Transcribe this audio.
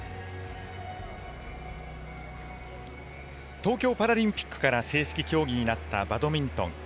東京パラリンピックから正式競技になったバドミントン。